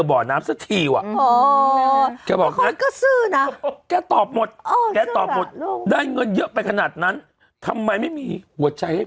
เบาะน้ำเสร็จที่ว่ะอ๋อก็ซื่อนะแก่ตอบหมดได้เงินเยอะไปขนาดนั้นทำไมไม่มีหัวใจให้ผม